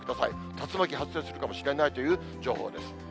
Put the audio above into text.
竜巻発生するかもしれないという情報です。